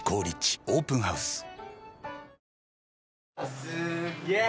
すげえ！